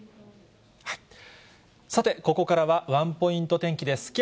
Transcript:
さて、ここからはワンポイント天気です。